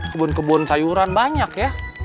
kebun kebun sayuran banyak ya